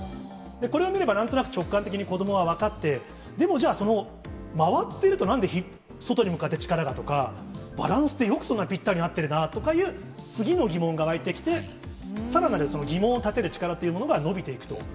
これを見ればなんとなく、直感的に子どもは分かって、でもじゃあ、その回っているとなんで外に向かって力がとか、バランスってよくそんなにぴったりになってるなとかっていう、次の疑問が湧いてきて、さらなる疑問を立てる力っていうものが伸びていくと。